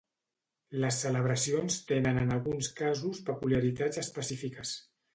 Les celebracions tenen en alguns casos peculiaritats específiques.